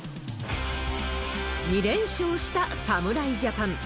２連勝した侍ジャパン。